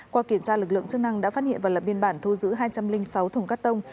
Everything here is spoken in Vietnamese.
qua kiểm tra lực lượng chức năng đã phát hiện và lập biên bản thu giữ hai trăm linh sáu thùng cắt tông